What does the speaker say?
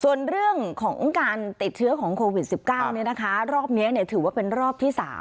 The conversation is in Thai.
ส่วนเรื่องของการติดเชื้อของโควิด๑๙รอบนี้ถือว่าเป็นรอบที่๓